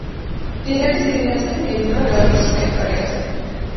მდინარის დიდი ნაწილი მიედინება ბელარუსის ტერიტორიაზე.